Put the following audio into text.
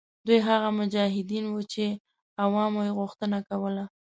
دوی هغه مجاهدین وه چې عوامو یې غوښتنه کوله.